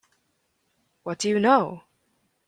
What do you know?